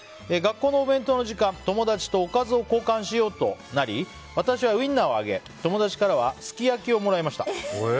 学校のお弁当の時間友達とおかずを交換しようとなり私はウインナーをあげ友達からはすき焼きをもらいました。